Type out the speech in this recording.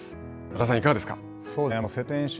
中澤さん、いかがですか。